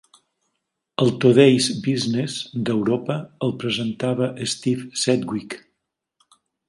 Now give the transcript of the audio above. El "Today's Business" d'Europa el presentava Steve Sedgwick.